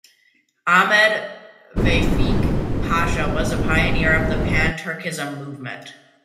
Ahmed Vefik Pasha was a pioneer of the Pan-Turkism movement.